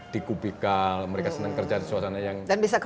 di kubikal mereka senang kerja di suasana yang